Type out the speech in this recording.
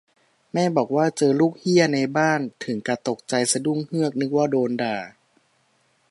"แม่บอกว่าเจอลูกเหี้ยในบ้าน ถึงกะตกใจสะดุ้งเฮือก นึกว่าโดนด่า"